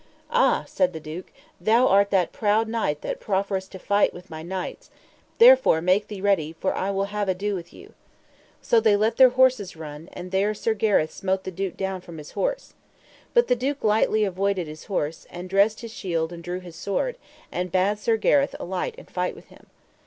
Ah, said the duke, art thou that proud knight that profferest to fight with my knights; therefore make thee ready, for I will have ado with you. So they let their horses run, and there Sir Gareth smote the duke down from his horse. But the duke lightly avoided his horse, and dressed his shield and drew his sword, and bade Sir Gareth alight and fight with him.